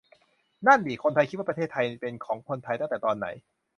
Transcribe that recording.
นั่นดิ คนไทยคิดว่าประเทศไทยเป็นของคนไทย ตั้งแต่ตอนไหน ?